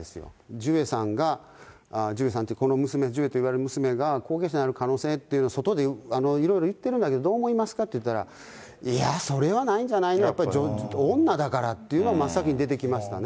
ジュエさんが、ジュエさん、この娘といわれるジュエさん、娘が後継者になる可能性と、外でいろいろ言ってるんだけれども、どう思いますかと言ったら、いやー、それはないんじゃないの、やっぱり女だからっていうのが、真っ先に出てきましたね。